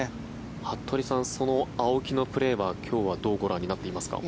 服部さんその青木のプレーは今日はどうご覧になっていますか？